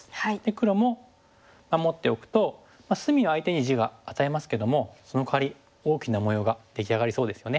黒も守っておくと隅は相手に地が与えますけどもそのかわり大きな模様が出来上がりそうですよね。